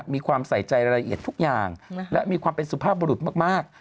มีความใส่ใจรายละเอียดทุกอย่างและมีความเป็นสุภาพบรุษมาก